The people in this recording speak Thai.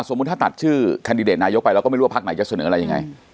ถ้าตัดชื่อแคนดิเดตนายกไปแล้วก็ไม่รู้ว่าพักไหนจะเสนออะไรยังไง